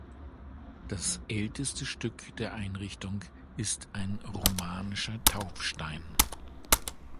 Das älteste Stück der Einrichtung ist ein romanischer Taufstein.